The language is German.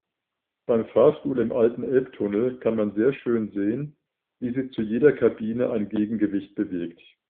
Beim Fahrstuhl im alten Elbtunnel kann man sehr schön sehen, wie sich zu jeder Kabine ein Gegengewicht bewegt.